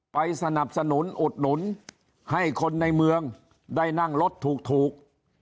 ไปสนับสนุนอุดหนุนให้คนในเมืองได้นั่งรถถูก